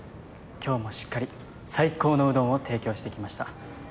今日もしっかり最高のうどんを提供してきました。